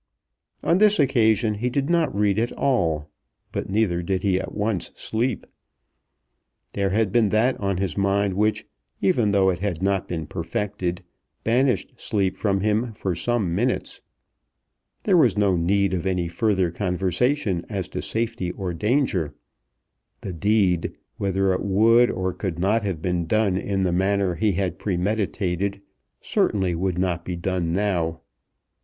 On this occasion he did not read at all, but neither did he at once sleep. There had been that on his mind which, even though it had not been perfected, banished sleep from him for some minutes. There was no need of any further conversation as to safety or danger. The deed, whether it would or could not have been done in the manner he had premeditated, certainly would not be done now.